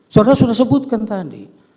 saudara sudah sebutkan tadi